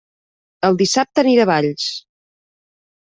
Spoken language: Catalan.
El dissabte aniré a Valls!